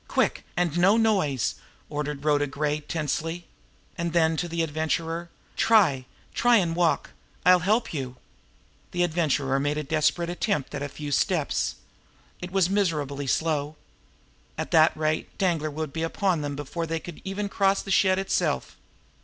Quick! And no noise!"' ordered Rhoda Gray tersely. And then to the Adventurer: "Try try and walk! I'll help you." The Adventurer made a desperate attempt at a few steps. It was miserably slow. At that rate Danglar would be upon them before they could even cross the shed itself.